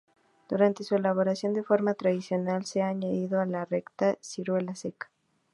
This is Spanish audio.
Durante su elaboración de forma tradicional se ha añadido a la receta ciruela seca.